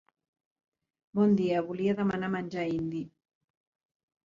Bon dia, volia demanar menjar indi.